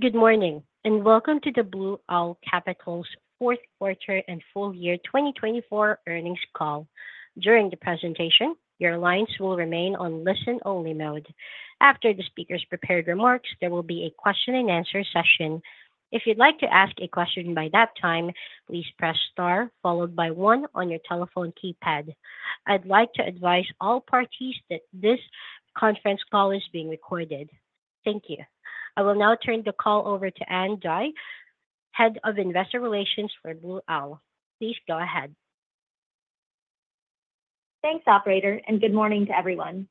Good morning, and welcome to the Blue Owl Capital's Fourth Quarter and Full Year 2024 Earnings Call. During the presentation, your lines will remain on listen-only mode. After the speaker's prepared remarks, there will be a question-and-answer session. If you'd like to ask a question by that time, please press star followed by one on your telephone keypad. I'd like to advise all parties that this conference call is being recorded. Thank you. I will now turn the call over to Ann Dai, Head of Investor Relations for Blue Owl. Please go ahead. Thanks, Operator, and good morning to everyone.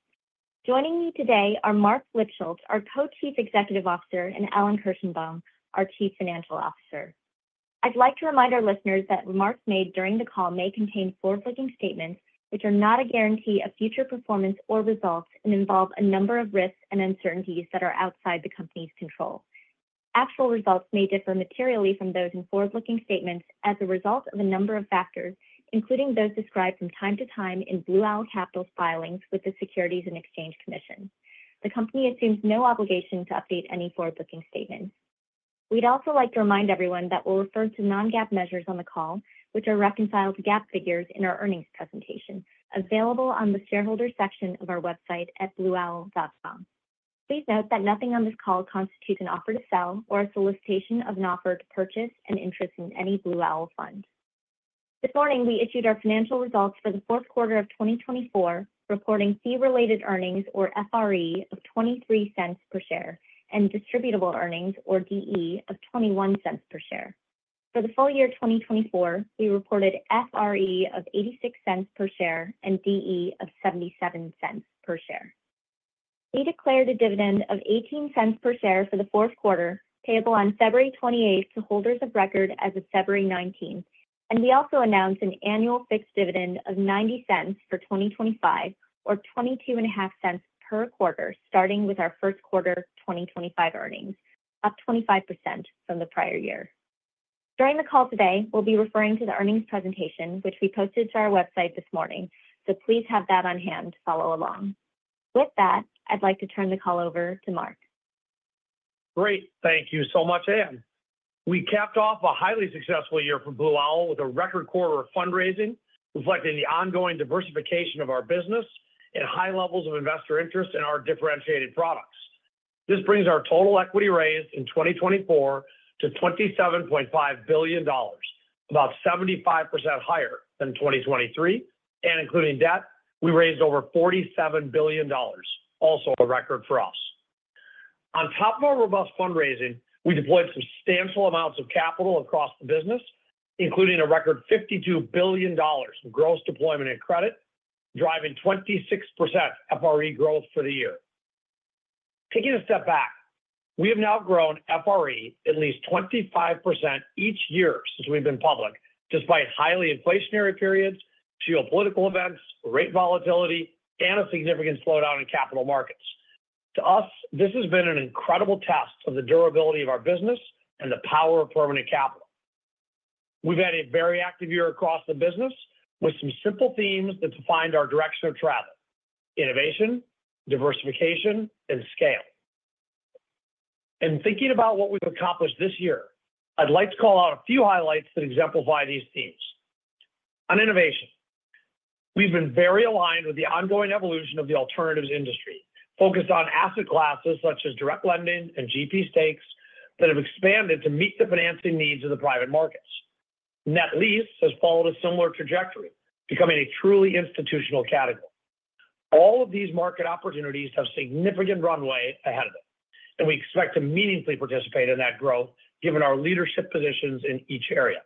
Joining me today are Marc Lipschultz, our Co-Chief Executive Officer, and Alan Kirshenbaum, our Chief Financial Officer. I'd like to remind our listeners that remarks made during the call may contain forward-looking statements which are not a guarantee of future performance or results and involve a number of risks and uncertainties that are outside the company's control. Actual results may differ materially from those in forward-looking statements as a result of a number of factors, including those described from time to time in Blue Owl Capital's filings with the Securities and Exchange Commission. The company assumes no obligation to update any forward-looking statements. We'd also like to remind everyone that we'll refer to non-GAAP measures on the call, which are reconciled to GAAP figures in our earnings presentation, available on the shareholder section of our website at blueowl.com. Please note that nothing on this call constitutes an offer to sell or a solicitation of an offer to purchase an interest in any Blue Owl fund. This morning, we issued our financial results for the fourth quarter of 2024, reporting fee-related earnings, or FRE, of $0.23 per share and distributable earnings, or DE, of $0.21 per share. For the full year 2024, we reported FRE of $0.86 per share and DE of $0.77 per share. We declared a dividend of $0.18 per share for the fourth quarter, payable on February 28th to holders of record as of February 19th, and we also announced an annual fixed dividend of $0.90 for 2025, or $0.225 per quarter, starting with our first quarter 2025 earnings, up 25% from the prior year. During the call today, we'll be referring to the earnings presentation, which we posted to our website this morning, so please have that on hand to follow along. With that, I'd like to turn the call over to Marc. Great. Thank you so much, Ann. We capped off a highly successful year for Blue Owl with a record quarter of fundraising reflecting the ongoing diversification of our business and high levels of investor interest in our differentiated products. This brings our total equity raised in 2024 to $27.5 billion, about 75% higher than 2023, and including debt, we raised over $47 billion, also a record for us. On top of our robust fundraising, we deployed substantial amounts of capital across the business, including a record $52 billion in gross deployment and credit, driving 26% FRE growth for the year. Taking a step back, we have now grown FRE at least 25% each year since we've been public, despite highly inflationary periods, geopolitical events, rate volatility, and a significant slowdown in capital markets. To us, this has been an incredible test of the durability of our business and the power of permanent capital. We've had a very active year across the business with some simple themes that define our direction of travel: innovation, diversification, and scale. In thinking about what we've accomplished this year, I'd like to call out a few highlights that exemplify these themes. On innovation, we've been very aligned with the ongoing evolution of the alternatives industry, focused on asset classes such as direct lending and GP stakes that have expanded to meet the financing needs of the private markets. Net lease has followed a similar trajectory, becoming a truly institutional category. All of these market opportunities have significant runway ahead of it, and we expect to meaningfully participate in that growth, given our leadership positions in each area.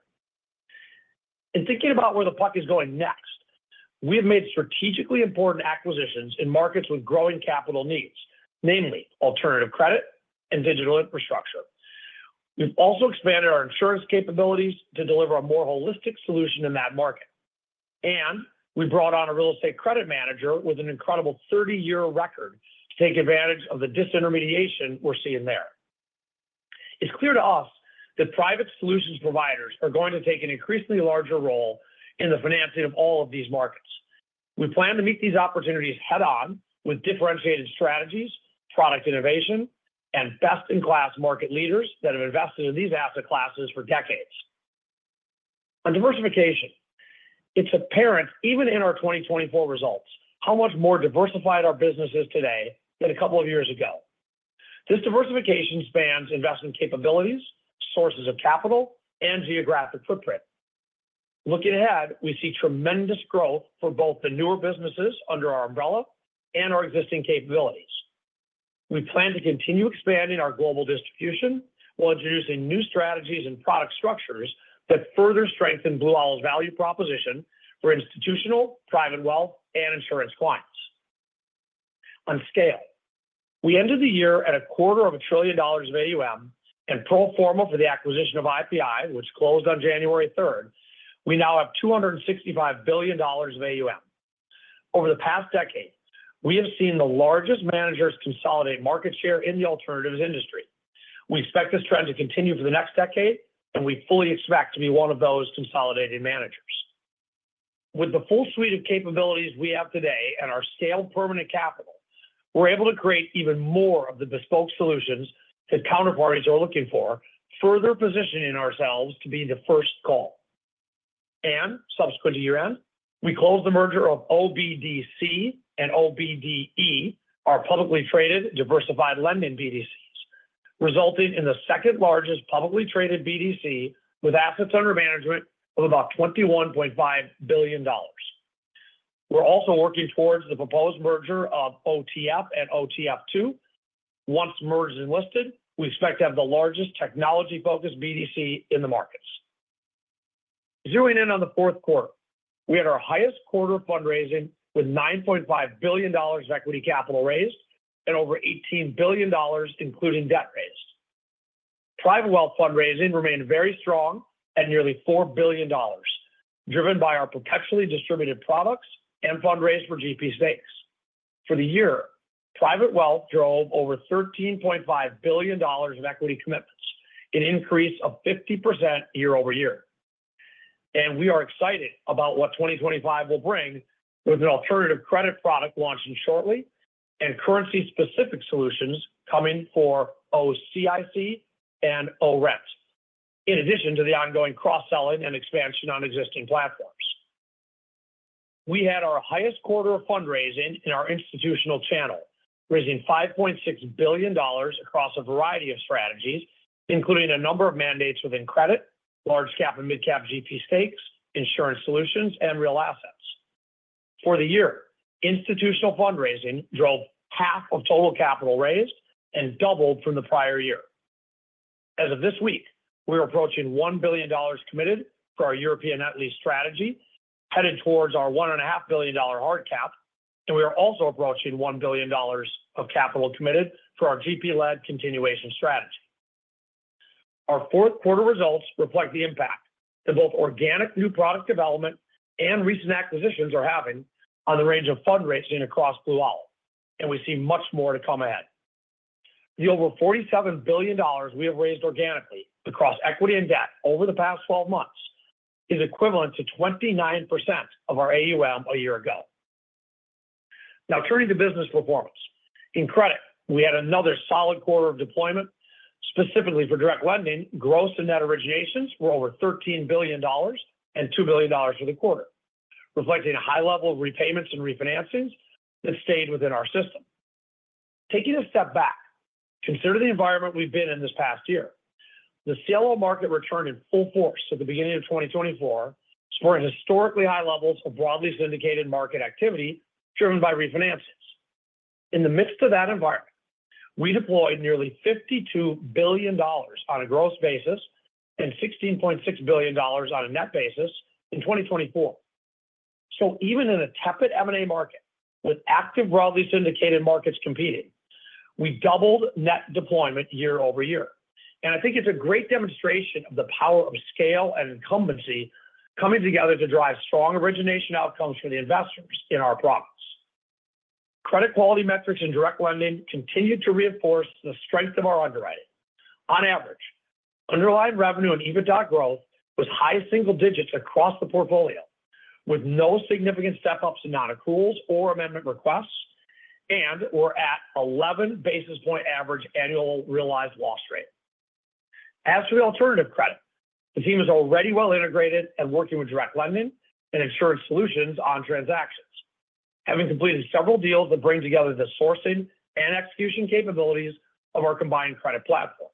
In thinking about where the puck is going next, we have made strategically important acquisitions in markets with growing capital needs, namely alternative credit and digital infrastructure. We've also expanded our insurance capabilities to deliver a more holistic solution in that market, and we brought on a real estate credit manager with an incredible 30-year record to take advantage of the disintermediation we're seeing there. It's clear to us that private solutions providers are going to take an increasingly larger role in the financing of all of these markets. We plan to meet these opportunities head-on with differentiated strategies, product innovation, and best-in-class market leaders that have invested in these asset classes for decades. On diversification, it's apparent even in our 2024 results how much more diversified our business is today than a couple of years ago. This diversification spans investment capabilities, sources of capital, and geographic footprint. Looking ahead, we see tremendous growth for both the newer businesses under our umbrella and our existing capabilities. We plan to continue expanding our global distribution while introducing new strategies and product structures that further strengthen Blue Owl's value proposition for institutional, private wealth, and insurance clients. On scale, we ended the year at a quarter of a trillion dollars of AUM, and pro forma for the acquisition of IPI, which closed on January 3rd, we now have $265 billion of AUM. Over the past decade, we have seen the largest managers consolidate market share in the alternatives industry. We expect this trend to continue for the next decade, and we fully expect to be one of those consolidating managers. With the full suite of capabilities we have today and our scaled permanent capital, we're able to create even more of the bespoke solutions that counterparties are looking for, further positioning ourselves to be the first call, and subsequent to year-end, we closed the merger of OBDC and OBDE, our publicly traded diversified lending BDCs, resulting in the second largest publicly traded BDC with assets under management of about $21.5 billion. We're also working towards the proposed merger of OTF and OTF II. Once merged and listed, we expect to have the largest technology-focused BDC in the markets. Zeroing in on the fourth quarter, we had our highest quarter of fundraising with $9.5 billion of equity capital raised and over $18 billion, including debt raised. Private wealth fundraising remained very strong at nearly $4 billion, driven by our perpetually distributed products and fundraised for GP stakes. For the year, private wealth drove over $13.5 billion of equity commitments, an increase of 50% year-over-year. And we are excited about what 2025 will bring with an alternative credit product launching shortly and currency-specific solutions coming for OCIC and OREX, in addition to the ongoing cross-selling and expansion on existing platforms. We had our highest quarter of fundraising in our institutional channel, raising $5.6 billion across a variety of strategies, including a number of mandates within credit, large-cap and mid-cap GP stakes, insurance solutions, and real assets. For the year, institutional fundraising drove half of total capital raised and doubled from the prior year. As of this week, we are approaching $1 billion committed for our European net lease strategy, headed towards our $1.5 billion hard cap, and we are also approaching $1 billion of capital committed for our GP-led continuation strategy. Our fourth quarter results reflect the impact that both organic new product development and recent acquisitions are having on the range of fundraising across Blue Owl, and we see much more to come ahead. The over $47 billion we have raised organically across equity and debt over the past 12 months is equivalent to 29% of our AUM a year ago. Now, turning to business performance, in credit, we had another solid quarter of deployment. Specifically for direct lending, gross and net originations were over $13 billion and $2 billion for the quarter, reflecting a high level of repayments and refinancings that stayed within our system. Taking a step back, consider the environment we've been in this past year. The CLO market returned in full force at the beginning of 2024, supporting historically high levels of broadly syndicated market activity driven by refinancings. In the midst of that environment, we deployed nearly $52 billion on a gross basis and $16.6 billion on a net basis in 2024. So even in a tepid M&A market with active broadly syndicated markets competing, we doubled net deployment year over year. And I think it's a great demonstration of the power of scale and incumbency coming together to drive strong origination outcomes for the investors in our platform. Credit quality metrics in direct lending continue to reinforce the strength of our underwriting. On average, underlying revenue and EBITDA growth was high single digits across the portfolio, with no significant step-ups in non-accruals or amendment requests, and we're at 11 basis points average annual realized loss rate. As for the alternative credit, the team is already well integrated and working with direct lending and insurance solutions on transactions, having completed several deals that bring together the sourcing and execution capabilities of our combined credit platform.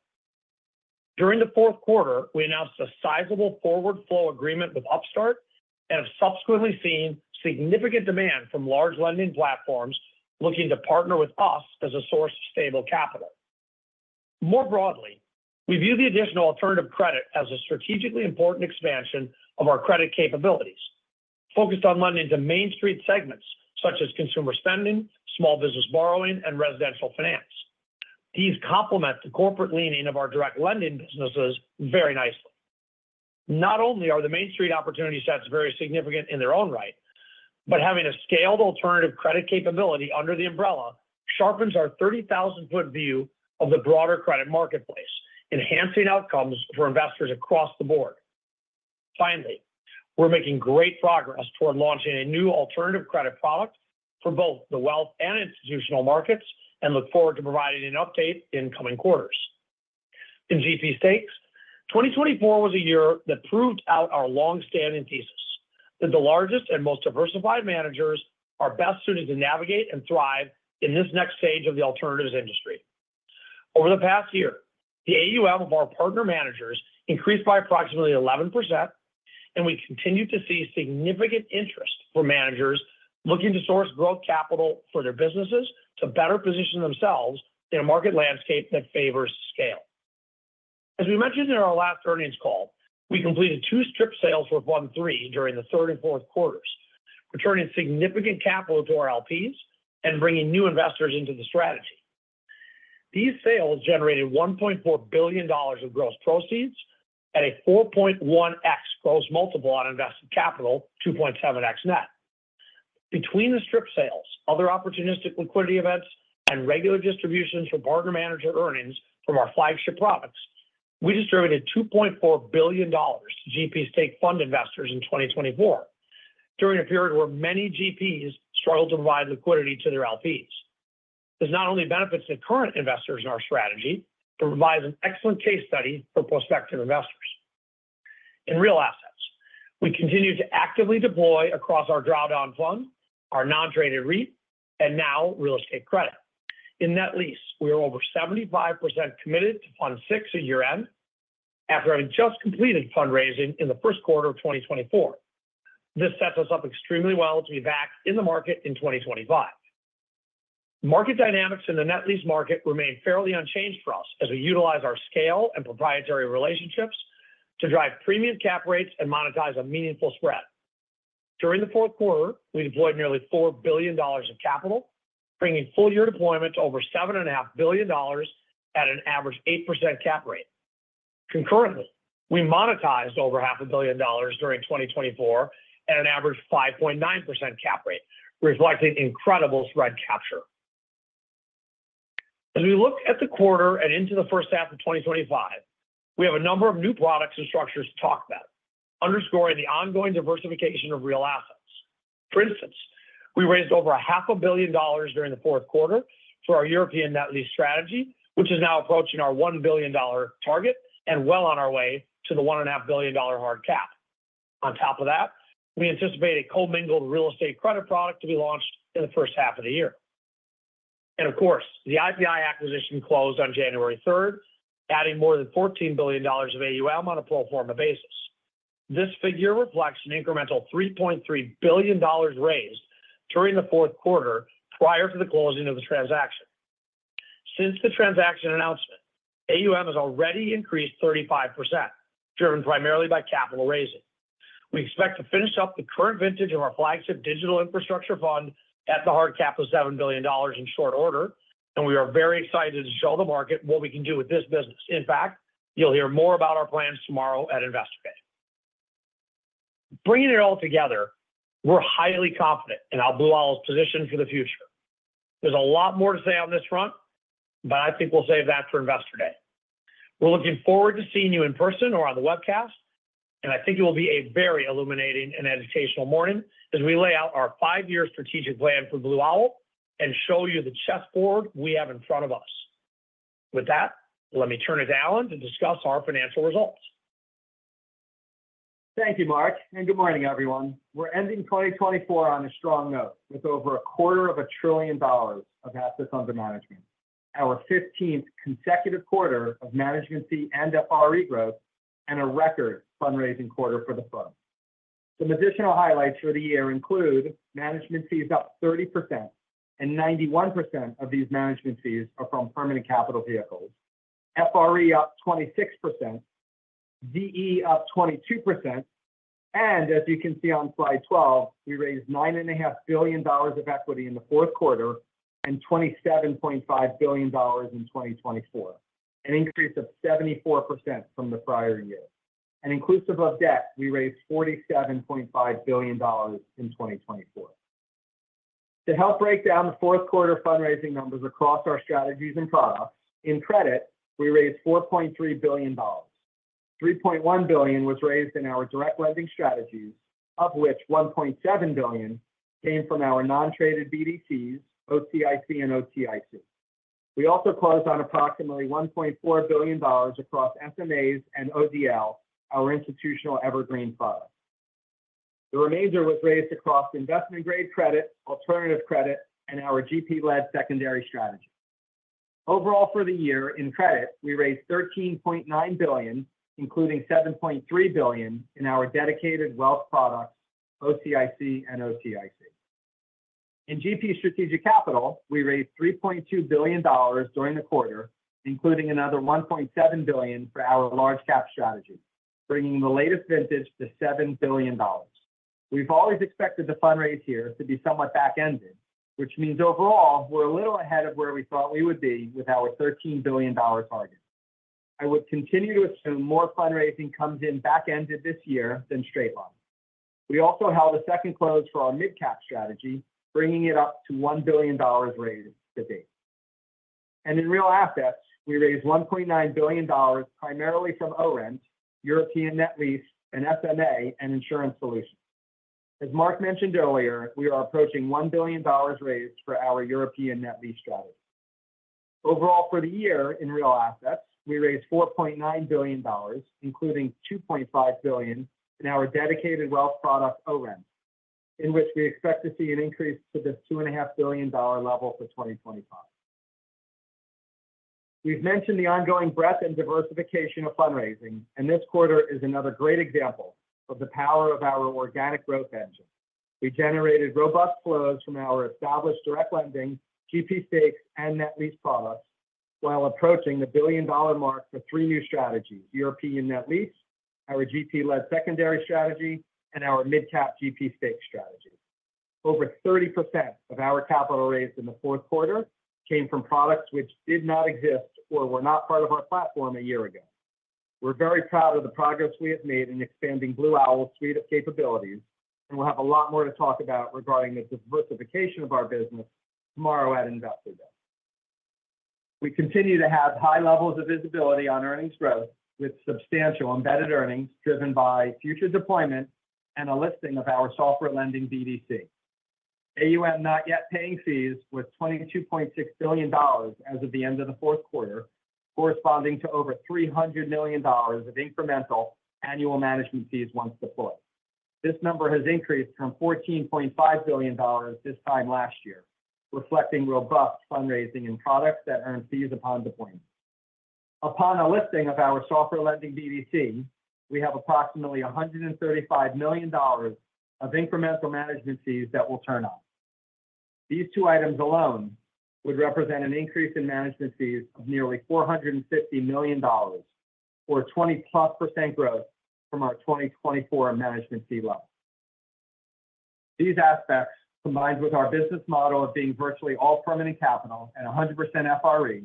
During the fourth quarter, we announced a sizable forward flow agreement with Upstart and have subsequently seen significant demand from large lending platforms looking to partner with us as a source of stable capital. More broadly, we view the additional alternative credit as a strategically important expansion of our credit capabilities, focused on lending to Main Street segments such as consumer spending, small business borrowing, and residential finance. These complement the corporate leaning of our direct lending businesses very nicely. Not only are the Main Street opportunity sets very significant in their own right, but having a scaled alternative credit capability under the umbrella sharpens our 30,000-foot view of the broader credit marketplace, enhancing outcomes for investors across the board. Finally, we're making great progress toward launching a new alternative credit product for both the wealth and institutional markets and look forward to providing an update in coming quarters. In GP stakes, 2024 was a year that proved out our long-standing thesis that the largest and most diversified managers are best suited to navigate and thrive in this next stage of the alternatives industry. Over the past year, the AUM of our partner managers increased by approximately 11%, and we continue to see significant interest from managers looking to source growth capital for their businesses to better position themselves in a market landscape that favors scale. As we mentioned in our last earnings call, we completed two strip sales worth $13 billion during the third and fourth quarters, returning significant capital to our LPs and bringing new investors into the strategy. These sales generated $1.4 billion of gross proceeds at a 4.1x gross multiple on invested capital, 2.7x net. Between the strip sales, other opportunistic liquidity events, and regular distributions from partner manager earnings from our flagship products, we distributed $2.4 billion to GP stake fund investors in 2024 during a period where many GPs struggled to provide liquidity to their LPs. This not only benefits the current investors in our strategy, but provides an excellent case study for prospective investors. In real assets, we continue to actively deploy across our drawdown fund, our non-traded REIT, and now real estate credit. In net lease, we are over 75% committed to Fund VI at year-end after having just completed fundraising in the first quarter of 2024. This sets us up extremely well to be back in the market in 2025. Market dynamics in the net lease market remain fairly unchanged for us as we utilize our scale and proprietary relationships to drive premium cap rates and monetize a meaningful spread. During the fourth quarter, we deployed nearly $4 billion of capital, bringing full-year deployment to over $7.5 billion at an average 8% cap rate. Concurrently, we monetized over $500 million during 2024 at an average 5.9% cap rate, reflecting incredible spread capture. As we look at the quarter and into the first half of 2025, we have a number of new products and structures to talk about, underscoring the ongoing diversification of real assets. For instance, we raised over $500 million during the fourth quarter for our European net lease strategy, which is now approaching our $1 billion target and well on our way to the $1.5 billion hard cap. On top of that, we anticipate a commingled real estate credit product to be launched in the first half of the year. And of course, the IPI acquisition closed on January 3rd, adding more than $14 billion of AUM on a pro forma basis. This figure reflects an incremental $3.3 billion raised during the fourth quarter prior to the closing of the transaction. Since the transaction announcement, AUM has already increased 35%, driven primarily by capital raising. We expect to finish up the current vintage of our flagship digital infrastructure fund at the hard cap of $7 billion in short order, and we are very excited to show the market what we can do with this business. In fact, you'll hear more about our plans tomorrow at Investor Day. Bringing it all together, we're highly confident in how Blue Owl is positioned for the future. There's a lot more to say on this front, but I think we'll save that for Investor Day. We're looking forward to seeing you in person or on the webcast, and I think it will be a very illuminating and educational morning as we lay out our five-year strategic plan for Blue Owl and show you the chessboard we have in front of us. With that, let me turn it to Alan to discuss our financial results. Thank you, Marc. Good morning, everyone. We're ending 2024 on a strong note with over a quarter of a trillion dollars of assets under management, our 15th consecutive quarter of management fee and FRE growth, and a record fundraising quarter for the fund. Some additional highlights for the year include management fees up 30%, and 91% of these management fees are from permanent capital vehicles. FRE up 26%, VE up 22%, and as you can see on slide 12, we raised $9.5 billion of equity in the fourth quarter and $27.5 billion in 2024, an increase of 74% from the prior year. Inclusive of debt, we raised $47.5 billion in 2024. To help break down the fourth quarter fundraising numbers across our strategies and products, in credit, we raised $4.3 billion. $3.1 billion was raised in our direct lending strategies, of which $1.7 billion came from our non-traded BDCs, OCIC, and OTIC. We also closed on approximately $1.4 billion across SMAs and ODL, our institutional evergreen products. The remainder was raised across investment-grade credit, alternative credit, and our GP-led secondary strategy. Overall for the year, in credit, we raised $13.9 billion, including $7.3 billion in our dedicated wealth products, OCIC and OTIC. In GP strategic capital, we raised $3.2 billion during the quarter, including another $1.7 billion for our large-cap strategy, bringing the latest vintage to $7 billion. We've always expected the fundraise here to be somewhat back-ended, which means overall we're a little ahead of where we thought we would be with our $13 billion target. I would continue to assume more fundraising comes in back-ended this year than straight line. We also held a second close for our mid-cap strategy, bringing it up to $1 billion raised to date. And in real assets, we raised $1.9 billion primarily from OREX, European net lease, and SMA and insurance solutions. As Marc mentioned earlier, we are approaching $1 billion raised for our European net lease strategy. Overall for the year, in real assets, we raised $4.9 billion, including $2.5 billion in our dedicated wealth product OREX, in which we expect to see an increase to the $2.5 billion level for 2025. We've mentioned the ongoing breadth and diversification of fundraising, and this quarter is another great example of the power of our organic growth engine. We generated robust flows from our established direct lending, GP stakes, and net lease products while approaching the billion-dollar mark for three new strategies: European net lease, our GP-led secondary strategy, and our mid-cap GP stake strategy. Over 30% of our capital raised in the fourth quarter came from products which did not exist or were not part of our platform a year ago. We're very proud of the progress we have made in expanding Blue Owl's suite of capabilities, and we'll have a lot more to talk about regarding the diversification of our business tomorrow at Investor Day. We continue to have high levels of visibility on earnings growth with substantial embedded earnings driven by future deployment and a listing of our software lending BDC. AUM not yet paying fees was $22.6 billion as of the end of the fourth quarter, corresponding to over $300 million of incremental annual management fees once deployed. This number has increased from $14.5 billion this time last year, reflecting robust fundraising and products that earn fees upon deployment. Upon a listing of our software lending BDC, we have approximately $135 million of incremental management fees that will turn up. These two items alone would represent an increase in management fees of nearly $450 million, or 20-plus% growth from our 2024 management fee level. These aspects, combined with our business model of being virtually all permanent capital and 100% FRE,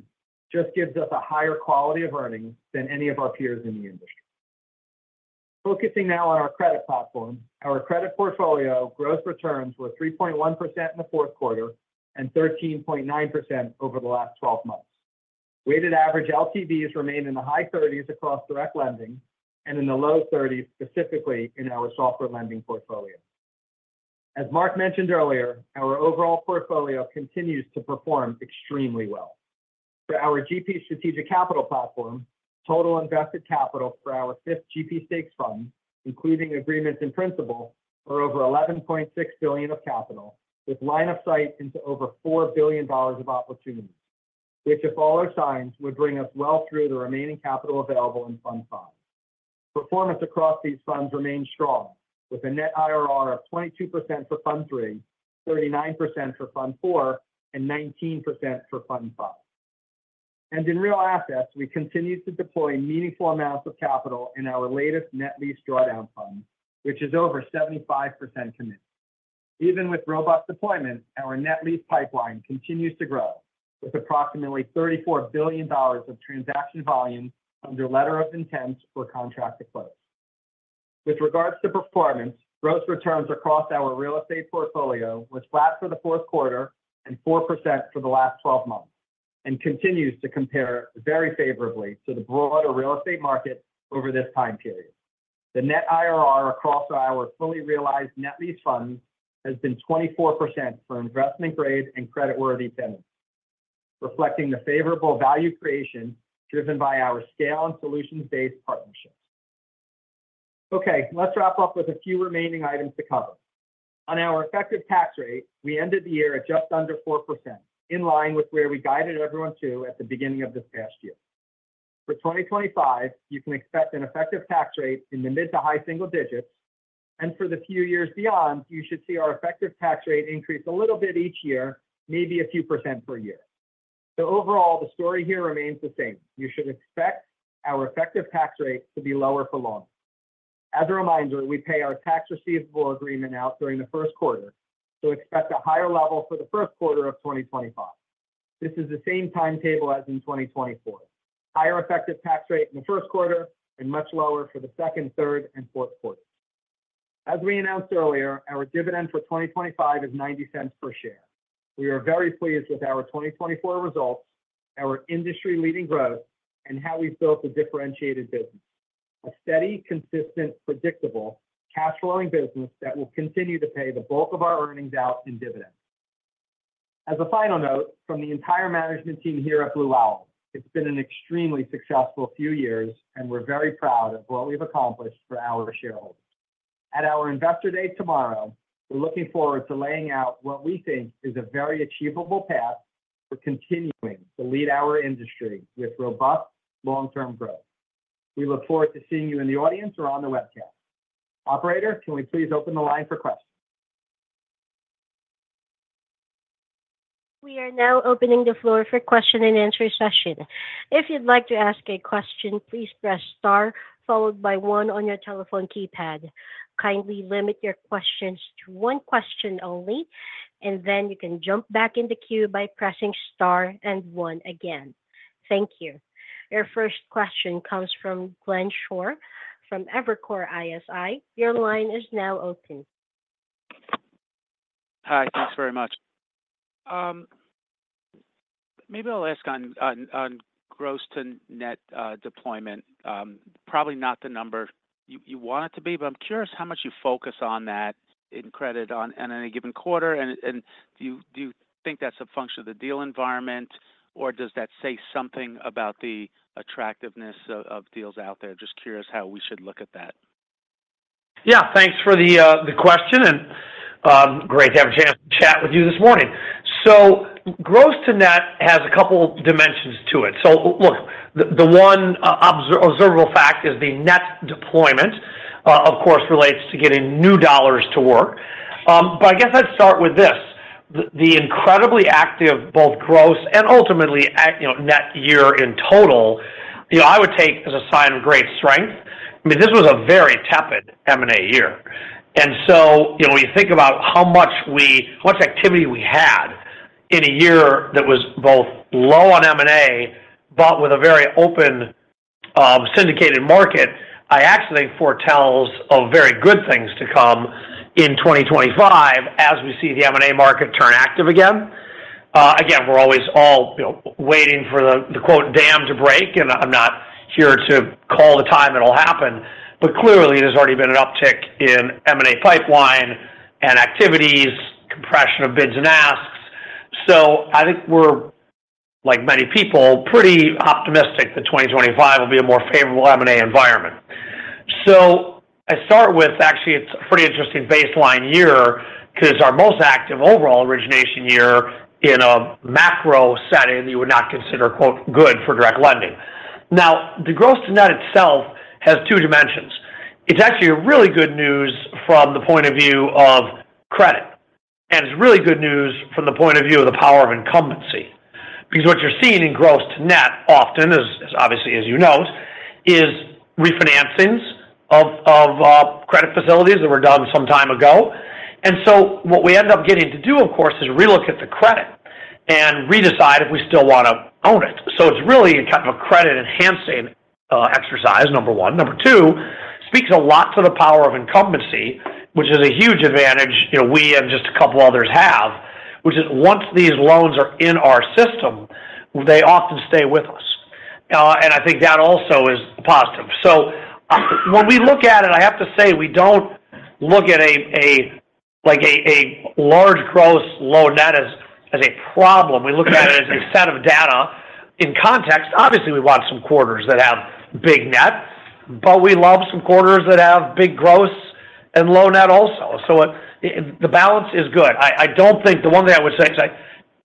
just gives us a higher quality of earnings than any of our peers in the industry. Focusing now on our credit platform, our credit portfolio gross returns were 3.1% in the fourth quarter and 13.9% over the last 12 months. Weighted average LTVs remained in the high 30s across direct lending and in the low 30s, specifically in our software lending portfolio. As Marc mentioned earlier, our overall portfolio continues to perform extremely well. For our GP strategic capital platform, total invested capital for our fifth GP stakes fund, including agreements and principal, are over $11.6 billion of capital, with line of sight into over $4 billion of opportunities, which, if all are signed, would bring us well through the remaining capital available in fund five. Performance across these funds remains strong, with a net IRR of 22% for Fund III, 39% for Fund IV, and 19% for Fund V. In real assets, we continue to deploy meaningful amounts of capital in our latest net lease drawdown fund, which is over 75% committed. Even with robust deployment, our net lease pipeline continues to grow, with approximately $34 billion of transaction volume under letter of intent for contract to close. With regards to performance, gross returns across our real estate portfolio were flat for the fourth quarter and 4% for the last 12 months, and continues to compare very favorably to the broader real estate market over this time period. The net IRR across our fully realized net lease fund has been 24% for investment-grade and credit-worthy tenants, reflecting the favorable value creation driven by our scale and solutions-based partnerships. Okay, let's wrap up with a few remaining items to cover. On our effective tax rate, we ended the year at just under 4%, in line with where we guided everyone to at the beginning of this past year. For 2025, you can expect an effective tax rate in the mid to high single digits, and for the few years beyond, you should see our effective tax rate increase a little bit each year, maybe a few percent per year. So overall, the story here remains the same. You should expect our effective tax rate to be lower for long. As a reminder, we pay our tax receivable agreement out during the first quarter, so expect a higher level for the first quarter of 2025. This is the same timetable as in 2024: higher effective tax rate in the first quarter and much lower for the second, third, and fourth quarters. As we announced earlier, our dividend for 2025 is $0.90 per share. We are very pleased with our 2024 results, our industry-leading growth, and how we've built a differentiated business: a steady, consistent, predictable cash-flowing business that will continue to pay the bulk of our earnings out in dividends. As a final note from the entire management team here at Blue Owl, it's been an extremely successful few years, and we're very proud of what we've accomplished for our shareholders. At our Investor Day tomorrow, we're looking forward to laying out what we think is a very achievable path for continuing to lead our industry with robust long-term growth. We look forward to seeing you in the audience or on the webcast. Operator, can we please open the line for questions? We are now opening the floor for question and answer session. If you'd like to ask a question, please press star followed by one on your telephone keypad. Kindly limit your questions to one question only, and then you can jump back in the queue by pressing star and one again. Thank you. Your first question comes from Glenn Schorr from Evercore ISI. Your line is now open. Hi, thanks very much. Maybe I'll ask on gross to net deployment. Probably not the number you want it to be, but I'm curious how much you focus on that in credit on any given quarter. And do you think that's a function of the deal environment, or does that say something about the attractiveness of deals out there? Just curious how we should look at that. Yeah, thanks for the question, and great to have a chance to chat with you this morning. So gross to net has a couple of dimensions to it. So look, the one observable fact is the net deployment, of course, relates to getting new dollars to work. But I guess I'd start with this: the incredibly active both gross and ultimately net year in total, I would take as a sign of great strength. I mean, this was a very tepid M&A year. And so when you think about how much activity we had in a year that was both low on M&A but with a very open syndicated market, I actually think foretells very good things to come in 2025 as we see the M&A market turn active again. Again, we're always all waiting for the quote "dam to break," and I'm not here to call the time it'll happen. But clearly, there's already been an uptick in M&A pipeline and activities, compression of bids and asks. So I think we're, like many people, pretty optimistic that 2025 will be a more favorable M&A environment. So I start with, actually, it's a pretty interesting baseline year because our most active overall origination year in a macro setting that you would not consider "good" for direct lending. Now, the gross to net itself has two dimensions. It's actually really good news from the point of view of credit, and it's really good news from the point of view of the power of incumbency. Because what you're seeing in gross to net often, obviously, as you know, is refinancings of credit facilities that were done some time ago. And so what we end up getting to do, of course, is relook at the credit and redecide if we still want to own it. So it's really kind of a credit-enhancing exercise, number one. Number two, it speaks a lot to the power of incumbency, which is a huge advantage we and just a couple others have, which is once these loans are in our system, they often stay with us. And I think that also is positive. So when we look at it, I have to say we don't look at a large gross, low net as a problem. We look at it as a set of data in context. Obviously, we want some quarters that have big net, but we love some quarters that have big gross and low net also. So the balance is good. I don't think the one thing I would say is,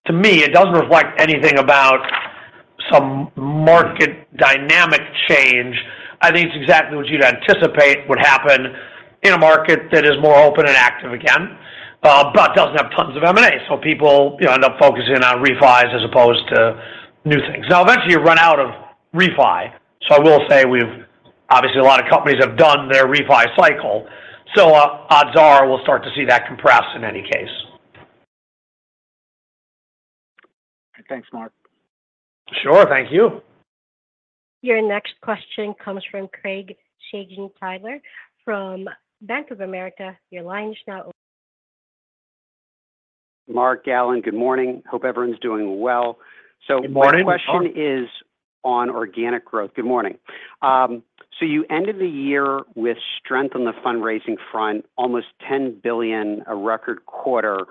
to me, it doesn't reflect anything about some market dynamic change. I think it's exactly what you'd anticipate would happen in a market that is more open and active again, but doesn't have tons of M&A. So people end up focusing on refis as opposed to new things. Now, eventually, you run out of refi. So I will say we've obviously a lot of companies have done their refis cycle. So odds are we'll start to see that compress in any case. Thanks, Mar. Sure, thank you. Your next question comes from Craig Siegenthaler from Bank of America. Your line is now open. Marc, Alan. Good morning. Hope everyone's doing well. Good morning. So my question is on organic growth. Good morning. So you ended the year with strength on the fundraising front, almost $10 billion a record quarter.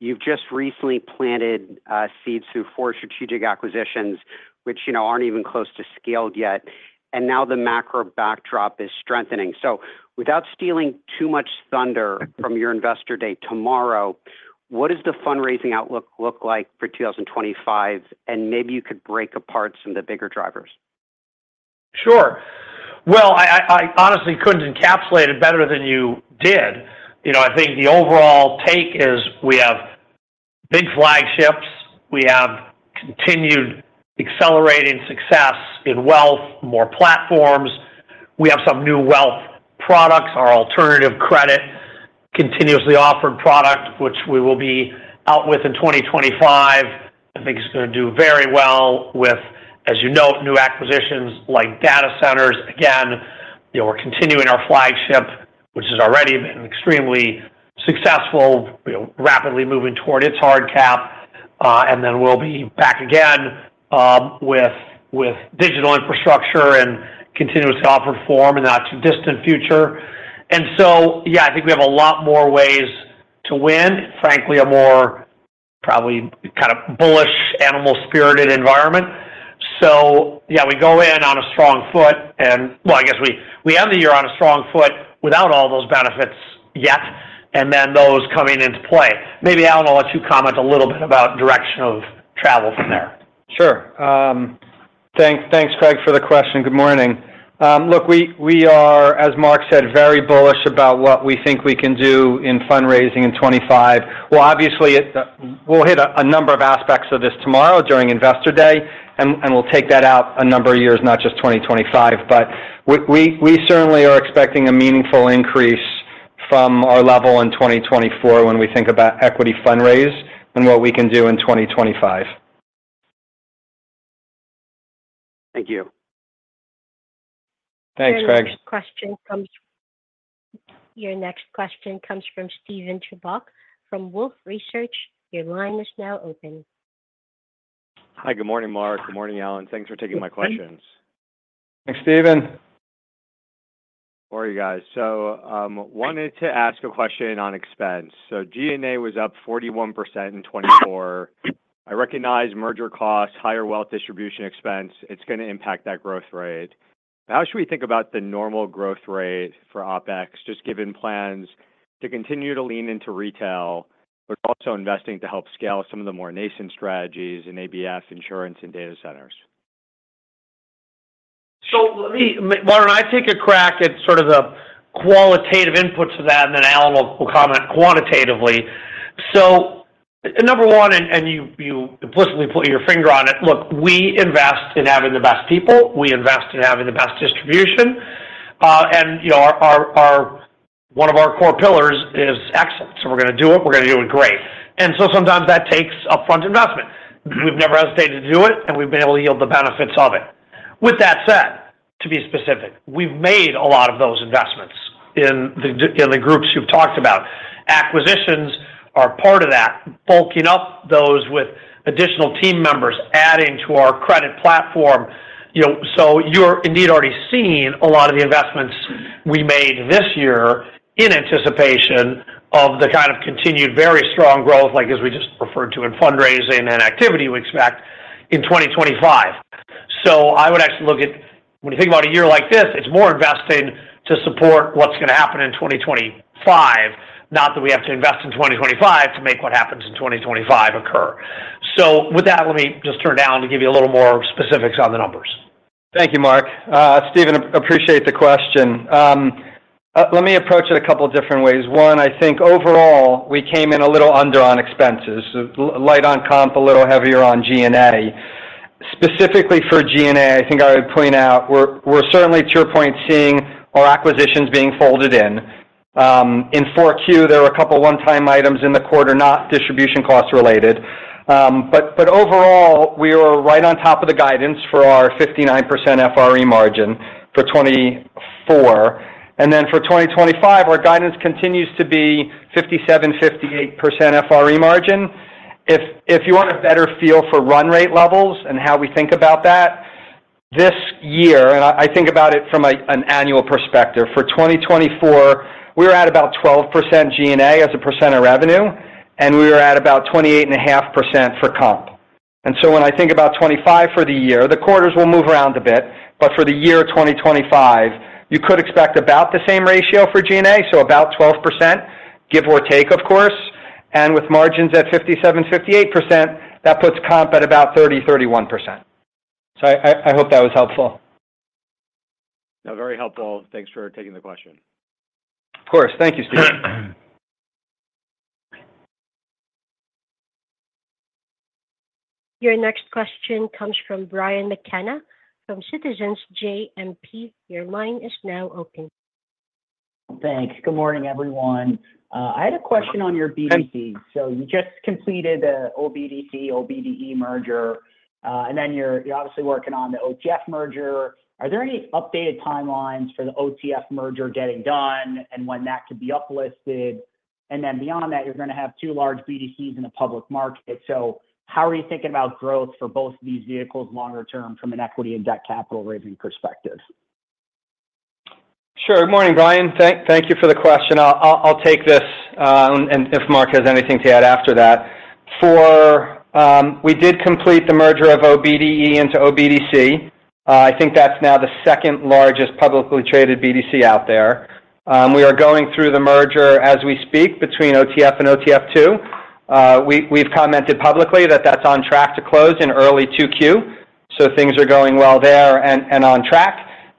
You've just recently planted seeds through four strategic acquisitions, which aren't even close to scaled yet. And now the macro backdrop is strengthening. So without stealing too much thunder from your Investor Day tomorrow, what does the fundraising outlook look like for 2025? And maybe you could break apart some of the bigger drivers. Sure. Well, I honestly couldn't encapsulate it better than you did. I think the overall take is we have big flagships. We have continued accelerating success in wealth, more platforms. We have some new wealth products, our alternative credit continuously offered product, which we will be out with in 2025. I think it's going to do very well with, as you note, new acquisitions like data centers. Again, we're continuing our flagship, which has already been extremely successful, rapidly moving toward its hard cap. And then we'll be back again with digital infrastructure and continuously offer form in the not-too-distant future. And so, yeah, I think we have a lot more ways to win, frankly, a more probably kind of bullish, animal-spirited environment. So, yeah, we go in on a strong foot. And, well, I guess we end the year on a strong foot without all those benefits yet, and then those coming into play. Maybe Alan will let you comment a little bit about direction of travel from there. Sure. Thanks, Craig, for the question. Good morning. Look, we are, as Marc said, very bullish about what we think we can do in fundraising in 2025. Well, obviously, we'll hit a number of aspects of this tomorrow during Investor Day, and we'll take that out a number of years, not just 2025. But we certainly are expecting a meaningful increase from our level in 2024 when we think about equity fundraise and what we can do in 2025. Thank you. Thanks, Craig. Your next question comes from Steven Chubak from Wolfe Research. Your line is now open. Hi, good morning, Marc. Good morning, Alan. Thanks for taking my questions. Thanks, Steven. How are you guys? So wanted to ask a question on expense. So G&A was up 41% in 2024. I recognize merger costs, higher wealth distribution expense. It's going to impact that growth rate. How should we think about the normal growth rate for OpEx, just given plans to continue to lean into retail, but also investing to help scale some of the more nascent strategies in ABF, insurance, and data centers? So, Martin, I take a crack at sort of the qualitative inputs of that, and then Alan will comment quantitatively. So, number one, and you implicitly put your finger on it, look, we invest in having the best people. We invest in having the best distribution. And one of our core pillars is excellence. So we're going to do it. We're going to do it great. And so sometimes that takes upfront investment. We've never hesitated to do it, and we've been able to yield the benefits of it. With that said, to be specific, we've made a lot of those investments in the groups you've talked about. Acquisitions are part of that, bulking up those with additional team members adding to our credit platform. So you're indeed already seeing a lot of the investments we made this year in anticipation of the kind of continued very strong growth, like as we just referred to in fundraising and activity we expect in 2025. So I would actually look at, when you think about a year like this, it's more investing to support what's going to happen in 2025, not that we have to invest in 2025 to make what happens in 2025 occur. So with that, let me just turn down to give you a little more specifics on the numbers. Thank you, Marc. Steven, appreciate the question. Let me approach it a couple of different ways. One, I think overall, we came in a little under on expenses, light on comp, a little heavier on G&A. Specifically for G&A, I think I would point out we're certainly, to your point, seeing our acquisitions being folded in. In 4Q, there were a couple of one-time items in the quarter not distribution cost-related. But overall, we were right on top of the guidance for our 59% FRE margin for 2024. And then for 2025, our guidance continues to be 57-58% FRE margin. If you want a better feel for run rate levels and how we think about that, this year, and I think about it from an annual perspective, for 2024, we were at about 12% G&A as a percent of revenue, and we were at about 28.5% for comp. And so when I think about 2025 for the year, the quarters will move around a bit, but for the year 2025, you could expect about the same ratio for G&A, so about 12%, give or take, of course. And with margins at 57%-58%, that puts comp at about 30%-31%. So I hope that was helpful. No, very helpful. Thanks for taking the question. Of course. Thank you, Steven. Your next question comes from Brian McKenna from Citizens JMP. Your line is now open. Thanks. Good morning, everyone. I had a question on your BDC. So you just completed the OBDC, OBDE merger, and then you're obviously working on the OTF merger. Are there any updated timelines for the OTF merger getting done and when that could be uplifted? And then beyond that, you're going to have two large BDCs in the public market. So how are you thinking about growth for both of these vehicles longer term from an equity and debt capital raising perspective? Sure. Good morning, Brian. Thank you for the question. I'll take this if Marc has anything to add after that. We did complete the merger of OBDE into OBDC. I think that's now the second largest publicly traded BDC out there. We are going through the merger as we speak between OTF and OTF II. We've commented publicly that that's on track to close in early 2Q, so things are going well there and on track,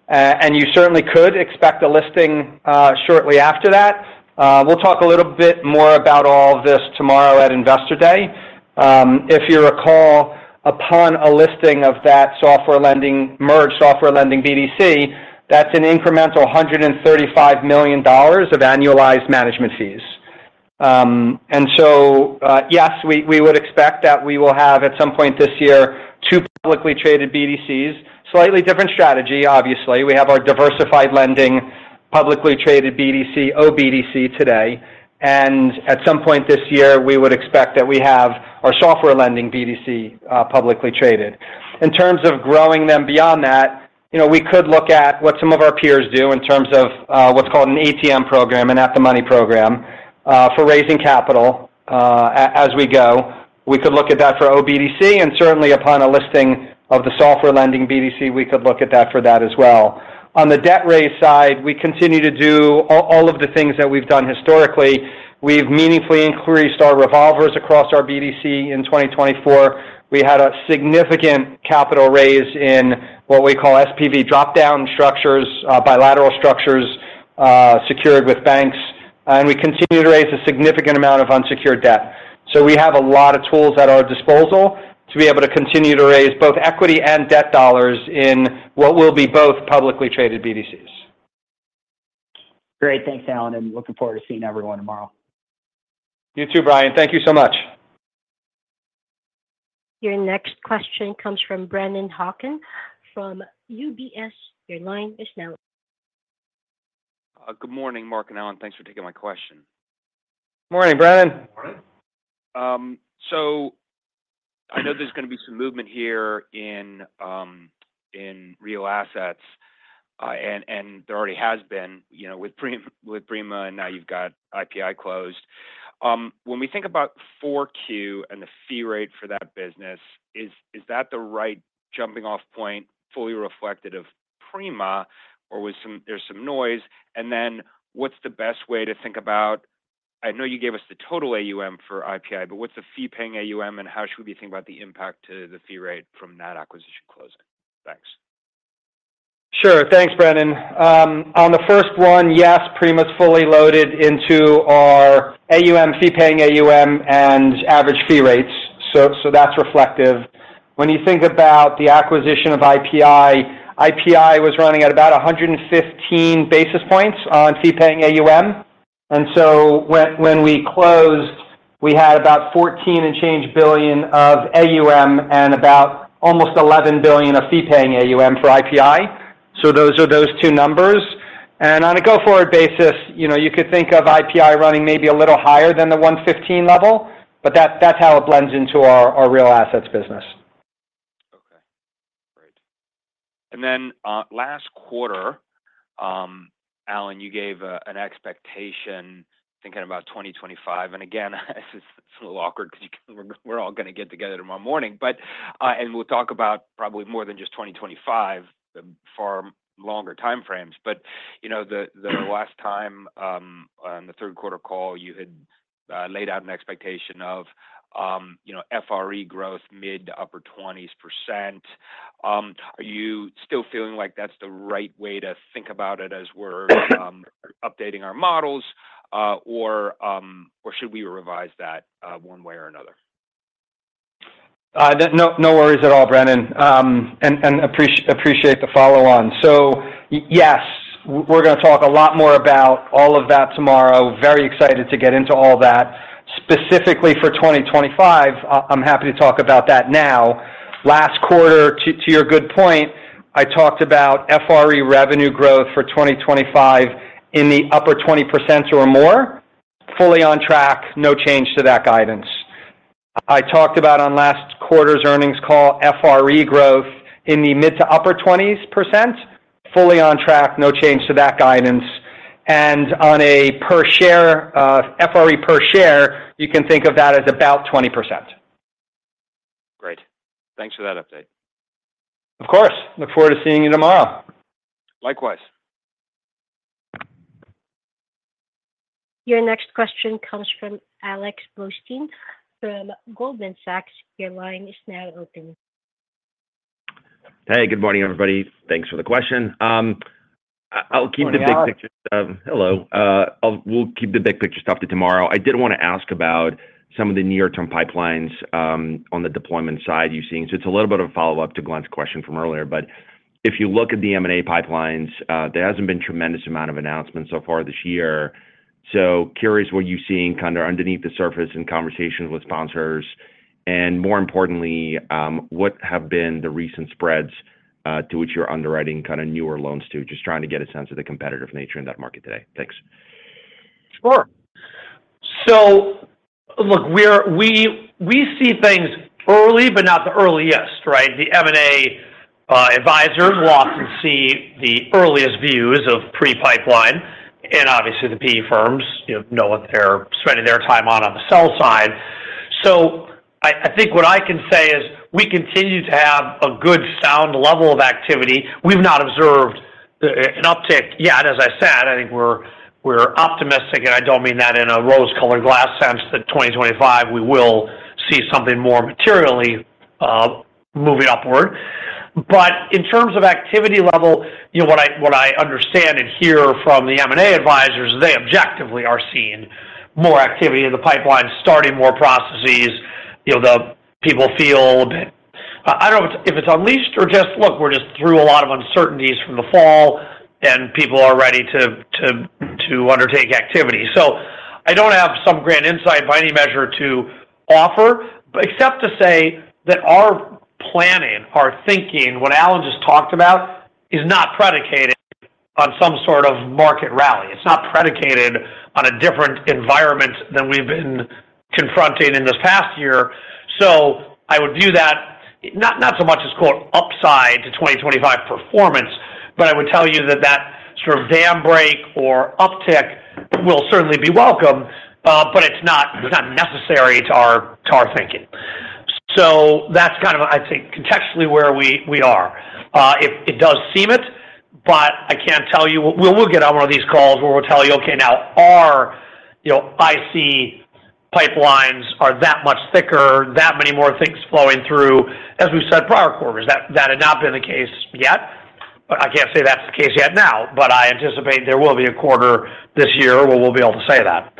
and you certainly could expect a listing shortly after that. We'll talk a little bit more about all of this tomorrow at Investor Day. If you recall, upon a listing of that software lending merged software lending BDC, that's an incremental $135 million of annualized management fees, and so, yes, we would expect that we will have at some point this year two publicly traded BDCs, slightly different strategy, obviously. We have our diversified lending publicly traded BDC, OBDC today, and at some point this year, we would expect that we have our software lending BDC publicly traded. In terms of growing them beyond that, we could look at what some of our peers do in terms of what's called an ATM program and At-The-Money program for raising capital as we go. We could look at that for OBDC, and certainly, upon a listing of the software lending BDC, we could look at that for that as well. On the debt raise side, we continue to do all of the things that we've done historically. We've meaningfully increased our revolvers across our BDC in 2024. We had a significant capital raise in what we call SPV dropdown structures, bilateral structures secured with banks, and we continue to raise a significant amount of unsecured debt. We have a lot of tools at our disposal to be able to continue to raise both equity and debt dollars in what will be both publicly traded BDCs. Great. Thanks, Alan. And looking forward to seeing everyone tomorrow. You too, Brian. Thank you so much. Your next question comes from Brennan Hawken from UBS. Your line is now. Good morning, Marc and Alan. Thanks for taking my question. Morning, Brennan. Morning. So I know there's going to be some movement here in real assets, and there already has been with Prima, and now you've got IPI closed. When we think about 4Q and the fee rate for that business, is that the right jumping-off point fully reflective of Prima, or there's some noise? And then what's the best way to think about? I know you gave us the total AUM for IPI, but what's the fee-paying AUM, and how should we be thinking about the impact to the fee rate from that acquisition closing? Thanks. Sure. Thanks, Brennan. On the first one, yes, Prima's fully loaded into our AUM, fee-paying AUM, and average fee rates. So that's reflective. When you think about the acquisition of IPI, IPI was running at about 115 basis points on fee-paying AUM. And so when we closed, we had about $14 and change billion of AUM and about almost $11 billion of fee-paying AUM for IPI. So those are those two numbers. And on a go-forward basis, you could think of IPI running maybe a little higher than the 115 level, but that's how it blends into our real assets business. Okay. Great. And then last quarter, Alan, you gave an expectation thinking about 2025. And again, it's a little awkward because we're all going to get together tomorrow morning, and we'll talk about probably more than just 2025, far longer time frames. But the last time on the third quarter call, you had laid out an expectation of FRE growth, mid- to upper-20s%. Are you still feeling like that's the right way to think about it as we're updating our models, or should we revise that one way or another? No worries at all, Brennan. And appreciate the follow-on. So yes, we're going to talk a lot more about all of that tomorrow. Very excited to get into all that. Specifically for 2025, I'm happy to talk about that now. Last quarter, to your good point, I talked about FRE revenue growth for 2025 in the upper 20% or more, fully on track, no change to that guidance. I talked about on last quarter's earnings call, FRE growth in the mid- to upper-20s%, fully on track, no change to that guidance. And on a per share, FRE per share, you can think of that as about 20%. Great. Thanks for that update. Of course. Look forward to seeing you tomorrow. Likewise. Your next question comes from Alex Blostein from Goldman Sachs. Your line is now open. Hey, good morning, everybody. Thanks for the question. I'll keep the big picture. Hello. Hello. We'll keep the big picture stuff to tomorrow. I did want to ask about some of the near-term pipelines on the deployment side you're seeing. So it's a little bit of a follow-up to Glenn's question from earlier, but if you look at the M&A pipelines, there hasn't been a tremendous amount of announcements so far this year. So curious what you're seeing kind of underneath the surface in conversations with sponsors. And more importantly, what have been the recent spreads to which you're underwriting kind of newer loans to, just trying to get a sense of the competitive nature in that market today. Thanks. Sure. So look, we see things early, but not the earliest, right? The M&A advisors will often see the earliest views of pre-pipeline. And obviously, the PE firms know what they're spending their time on the sell side. So I think what I can say is we continue to have a good sound level of activity. We've not observed an uptick yet. As I said, I think we're optimistic, and I don't mean that in a rose-colored glasses sense that 2025, we will see something more materially moving upward. But in terms of activity level, what I understand and hear from the M&A advisors, they objectively are seeing more activity in the pipeline, starting more processes. The people feel a bit. I don't know if it's unleashed or just, look, we're just through a lot of uncertainties from the fall, and people are ready to undertake activity. So I don't have some grand insight by any measure to offer, except to say that our planning, our thinking, what Alan just talked about, is not predicated on some sort of market rally. It's not predicated on a different environment than we've been confronting in this past year. So I would view that not so much as, quote, upside to 2025 performance, but I would tell you that that sort of dam break or uptick will certainly be welcome, but it's not necessary to our thinking. So that's kind of, I think, contextually where we are. It does seem it, but I can't tell you. We'll get on one of these calls where we'll tell you, okay, now our IC pipelines are that much thicker, that many more things flowing through, as we've said prior quarters. That had not been the case yet. I can't say that's the case yet now, but I anticipate there will be a quarter this year where we'll be able to say that.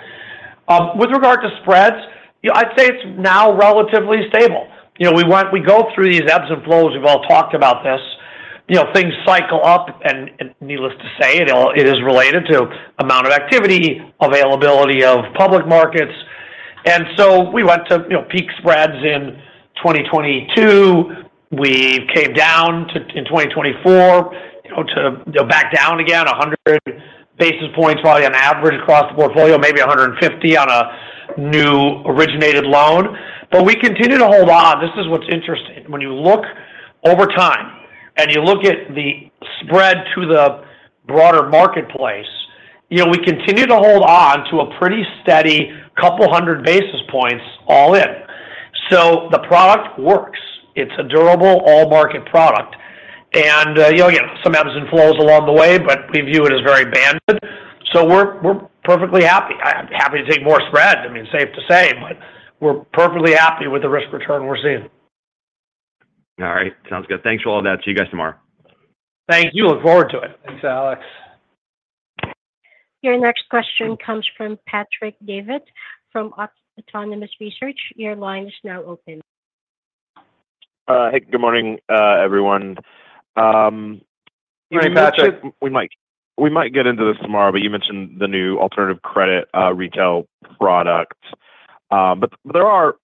With regard to spreads, I'd say it's now relatively stable. We go through these ebbs and flows. We've all talked about this. Things cycle up, and needless to say, it is related to amount of activity, availability of public markets. And so we went to peak spreads in 2022. We came down in 2024 to back down again, 100 basis points probably on average across the portfolio, maybe 150 on a new originated loan. But we continue to hold on. This is what's interesting. When you look over time and you look at the spread to the broader marketplace, we continue to hold on to a pretty steady couple hundred basis points all in. So the product works. It's a durable all-market product. Again, some ebbs and flows along the way, but we view it as very banded. So we're perfectly happy. Happy to take more spread. I mean, safe to say, but we're perfectly happy with the risk-return we're seeing. All right. Sounds good. Thanks for all that. See you guys tomorrow. Thank you. Look forward to it. Thanks, Alex. Your next question comes from Patrick Davitt from Autonomous Research. Your line is now open. Hey, good morning, everyone. Good morning, Patrick. We might get into this tomorrow, but you mentioned the new alternative credit retail product. But there are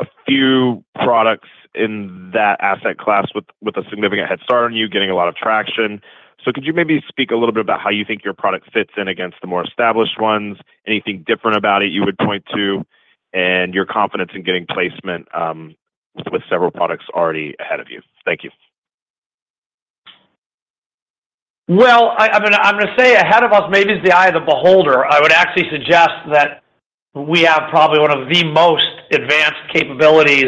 a few products in that asset class with a significant head start on you, getting a lot of traction. So could you maybe speak a little bit about how you think your product fits in against the more established ones? Anything different about it you would point to? And your confidence in getting placement with several products already ahead of you. Thank you. I'm going to say ahead of us, maybe it's the eye of the beholder. I would actually suggest that we have probably one of the most advanced capabilities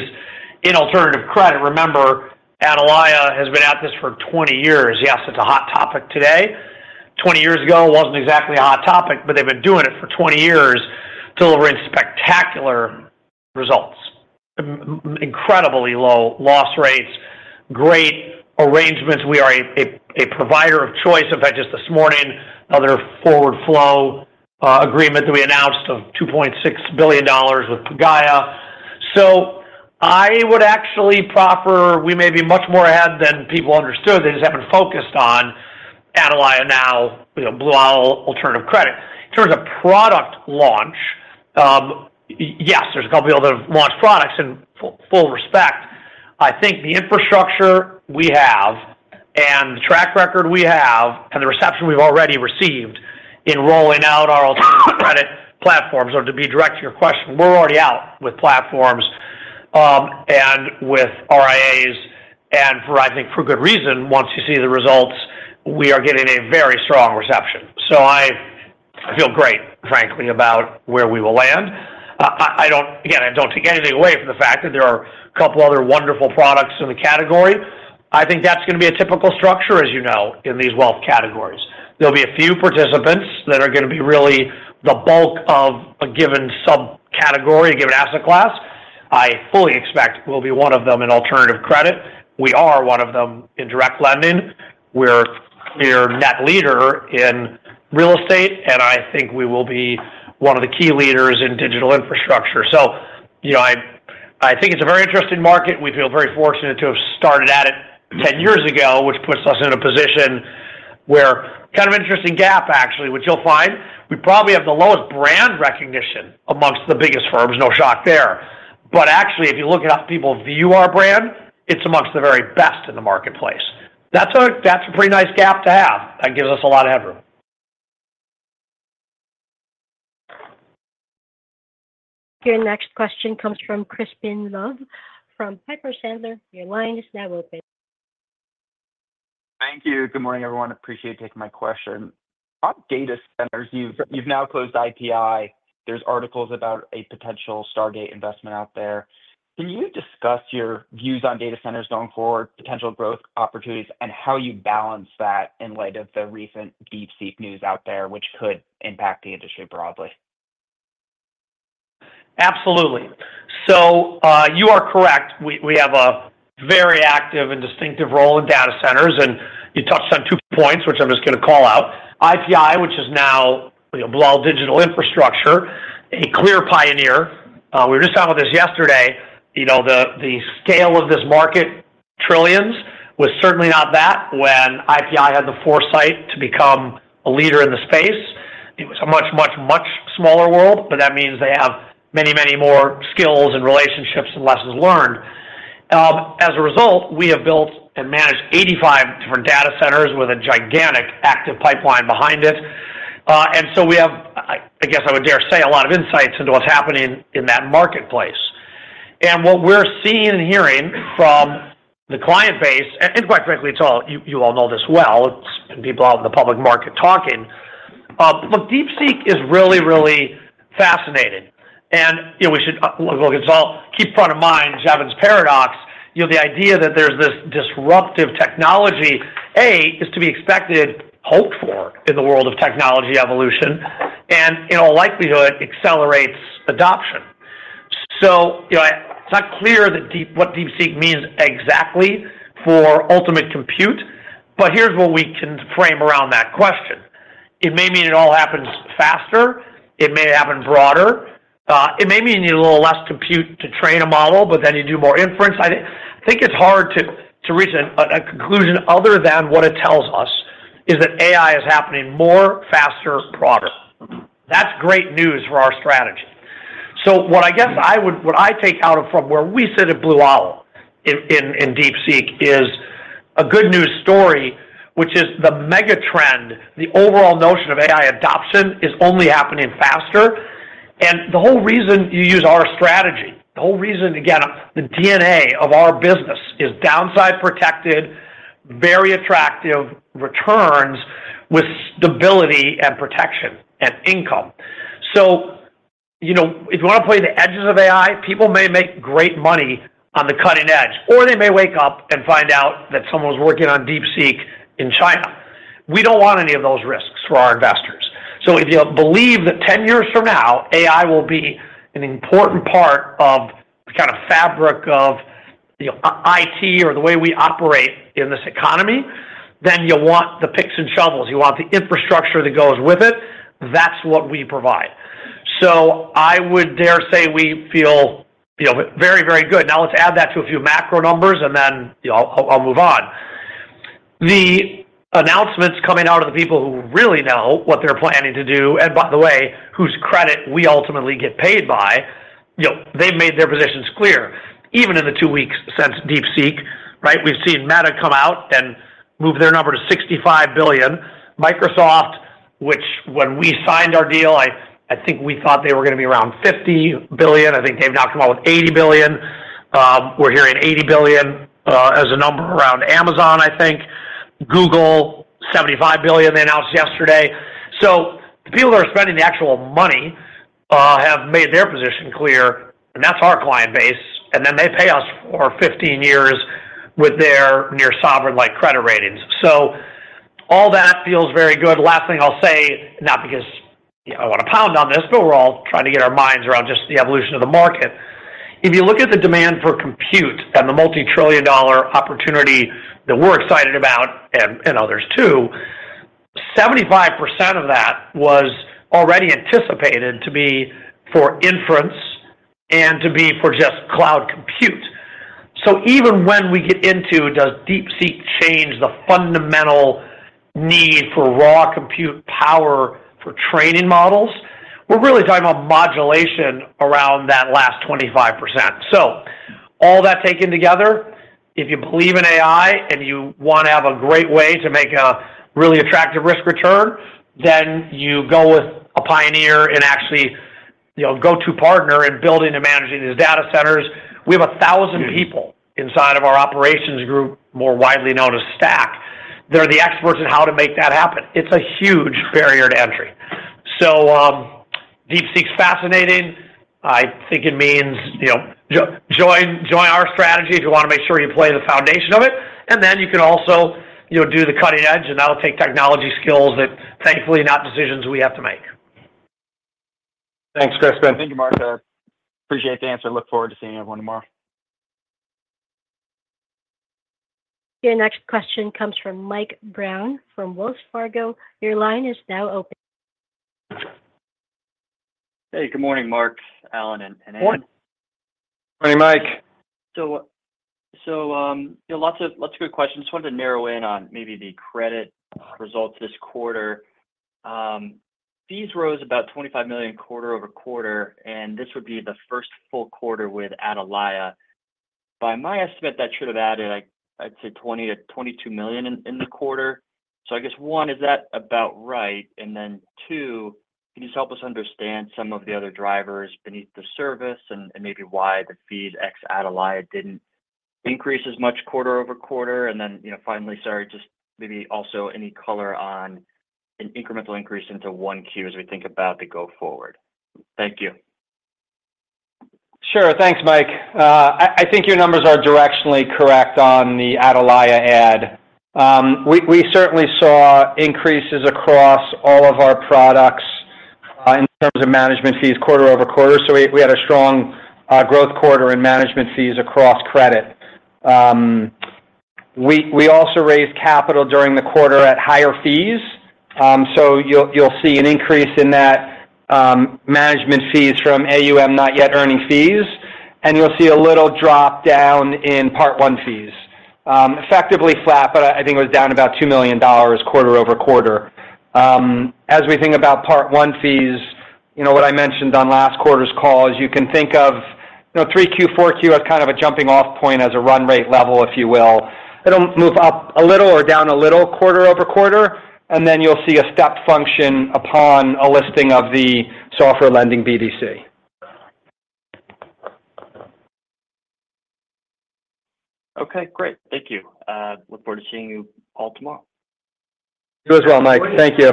in alternative credit. Remember, Atalaya has been at this for 20 years. Yes, it's a hot topic today. 20 years ago, it wasn't exactly a hot topic, but they've been doing it for 20 years delivering spectacular results. Incredibly low loss rates, great arrangements. We are a provider of choice. In fact, just this morning, another forward flow agreement that we announced of $2.6 billion with Pagaya, so I would actually proffer we may be much more ahead than people understood. They just haven't focused on Atalaya now, Blue Owl alternative credit. In terms of product launch, yes, there's a couple of other launch products. And, full respect, I think the infrastructure we have and the track record we have and the reception we've already received in rolling out our alternative credit platforms, or to be direct to your question, we're already out with platforms and with RIAs. And I think for good reason, once you see the results, we are getting a very strong reception. So I feel great, frankly, about where we will land. Again, I don't take anything away from the fact that there are a couple of other wonderful products in the category. I think that's going to be a typical structure, as you know, in these wealth categories. There'll be a few participants that are going to be really the bulk of a given subcategory, a given asset class. I fully expect we'll be one of them in alternative credit. We are one of them in direct lending. We're a clear net leader in real estate, and I think we will be one of the key leaders in digital infrastructure. So I think it's a very interesting market. We feel very fortunate to have started at it 10 years ago, which puts us in a position where kind of interesting gap, actually, which you'll find. We probably have the lowest brand recognition amongst the biggest firms, no shock there. But actually, if you look at how people view our brand, it's amongst the very best in the marketplace. That's a pretty nice gap to have. That gives us a lot of headroom. Your next question comes from Crispin Love from Piper Sandler. Your line is now open. Thank you. Good morning, everyone. Appreciate you taking my question. On data centers, you've now closed IPI. There's articles about a potential Stargate investment out there. Can you discuss your views on data centers going forward, potential growth opportunities, and how you balance that in light of the recent DeepSeek news out there, which could impact the industry broadly? Absolutely. So you are correct. We have a very active and distinctive role in data centers, and you touched on two points, which I'm just going to call out. IPI, which is now Blue Owl Digital Infrastructure, a clear pioneer. We were just talking about this yesterday. The scale of this market, trillions, was certainly not that when IPI had the foresight to become a leader in the space. It was a much, much, much smaller world, but that means they have many, many more skills and relationships and lessons learned. As a result, we have built and managed 85 different data centers with a gigantic active pipeline behind it, and so we have, I guess I would dare say, a lot of insights into what's happening in that marketplace, and what we're seeing and hearing from the client base, and quite frankly, you all know this well. It's been people out in the public market talking. Look, DeepSeek is really, really fascinating. And we should keep in front of mind Jevons paradox. The idea that there's this disruptive technology is to be expected, hoped for in the world of technology evolution, and in all likelihood, accelerates adoption. So it's not clear what DeepSeek means exactly for ultimate compute, but here's what we can frame around that question. It may mean it all happens faster. It may happen broader. It may mean you need a little less compute to train a model, but then you do more inference. I think it's hard to reach a conclusion other than what it tells us is that AI is happening more, faster, broader. That's great news for our strategy. So, what I guess I would takeaway from where we sit at Blue Owl on DeepSeek is a good news story, which is the mega trend. The overall notion of AI adoption is only happening faster. And the whole reason you use our strategy, the whole reason, again, the DNA of our business is downside protected, very attractive returns with stability and protection and income. So if you want to play the edges of AI, people may make great money on the cutting edge, or they may wake up and find out that someone was working on DeepSeek in China. We don't want any of those risks for our investors. So if you believe that 10 years from now, AI will be an important part of the kind of fabric of IT or the way we operate in this economy, then you'll want the picks and shovels. You want the infrastructure that goes with it. That's what we provide. So I would dare say we feel very, very good. Now, let's add that to a few macro numbers, and then I'll move on. The announcements coming out of the people who really know what they're planning to do, and by the way, whose credit we ultimately get paid by, they've made their positions clear. Even in the two weeks since DeepSeek, right? We've seen Meta come out and move their number to $65 billion. Microsoft, which when we signed our deal, I think we thought they were going to be around $50 billion. I think they've knocked them off with $80 billion. We're hearing $80 billion as a number around Amazon, I think. Google, $75 billion, they announced yesterday. So the people that are spending the actual money have made their position clear, and that's our client base. And then they pay us for 15 years with their near sovereign-like credit ratings. So all that feels very good. Last thing I'll say, not because I want to pound on this, but we're all trying to get our minds around just the evolution of the market. If you look at the demand for compute and the multi-trillion dollar opportunity that we're excited about, and others too, 75% of that was already anticipated to be for inference and to be for just cloud compute. So even when we get into, does DeepSeek change the fundamental need for raw compute power for training models? We're really talking about modulation around that last 25%. So all that taken together, if you believe in AI and you want to have a great way to make a really attractive risk return, then you go with a pioneer and actually go-to partner in building and managing these data centers. We have 1,000 people inside of our operations group, more widely known as STACK. They're the experts in how to make that happen. It's a huge barrier to entry, so DeepSeek's fascinating. I think it means join our strategy if you want to make sure you play the foundation of it, and then you can also do the cutting edge, and that'll take technology skills that, thankfully, not decisions we have to make. Thanks, Crispin. Thank you, Marc. Appreciate the answer. Look forward to seeing everyone tomorrow. Your next question comes from Mike Brown from Wells Fargo. Your line is now open. Hey, good morning, Marc, Alan, and Atalaya. Morning, Mike. So lots of good questions. Just wanted to narrow in on maybe the credit results this quarter. Fees rose about $25 million quarter over quarter, and this would be the first full quarter with Atalaya. By my estimate, that should have added, I'd say, $20 million-$22 million in the quarter. So I guess, one, is that about right? And then two, can you help us understand some of the other drivers beneath the surface and maybe why the fees ex Atalaya didn't increase as much quarter over quarter? And then finally, sorry, just maybe also any color on an incremental increase into 1Q as we think about the go-forward. Thank you. Sure. Thanks, Mike. I think your numbers are directionally correct on the Atalaya acquisition. We certainly saw increases across all of our products in terms of management fees quarter over quarter, so we had a strong growth quarter in management fees across credit. We also raised capital during the quarter at higher fees, so you'll see an increase in that management fees from AUM not yet earning fees. And you'll see a little drop down in Part I fees. Effectively flat, but I think it was down about $2 million quarter over quarter. As we think about Part I fees, what I mentioned on last quarter's call is you can think of 3Q, 4Q as kind of a jumping off point as a run rate level, if you will. It'll move up a little or down a little quarter over quarter. Then you'll see a step function upon a listing of the software lending BDC. Okay. Great. Thank you. Look forward to seeing you all tomorrow. You as well, Mike. Thank you.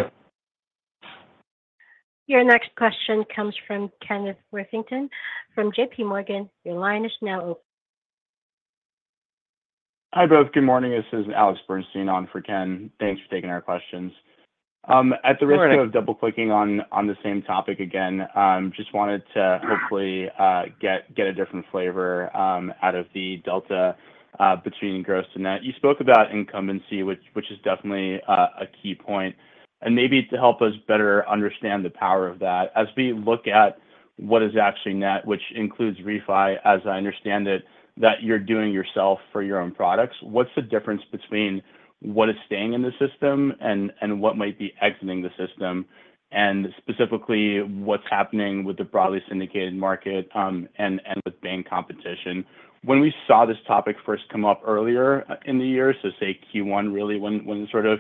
Your next question comes from Kenneth Worthington from JPMorgan. Your line is now open. Hi, both. Good morning. This is Alex Bernstein on for Ken. Thanks for taking our questions. At the risk of double-clicking on the same topic again, just wanted to hopefully get a different flavor out of the delta between gross and net. You spoke about incumbency, which is definitely a key point. And maybe to help us better understand the power of that, as we look at what is actually net, which includes refi, as I understand it, that you're doing yourself for your own products, what's the difference between what is staying in the system and what might be exiting the system? And specifically, what's happening with the broadly syndicated market and with bank competition? When we saw this topic first come up earlier in the year, so say Q1 really, when it sort of